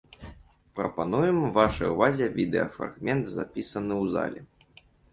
Прапануем вашай увазе відэафрагмент, запісаны ў залі.